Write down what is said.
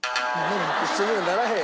一緒にはならへん。